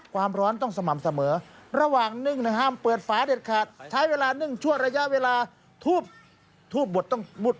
ความร้อนต้องสม่ำเสมอ